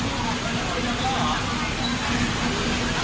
น้อยถ้าแล้วต้องกลับไปหม่อ